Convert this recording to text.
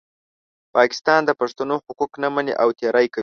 پاکستان د پښتنو حقوق نه مني او تېری کوي.